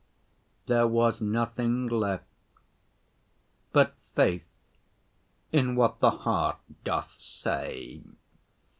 There was nothing left but faith in what the heart doth say.